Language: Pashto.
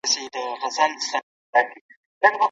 د کار ځواک د پراختیا لپاره دوامداره هڅې روانې دي.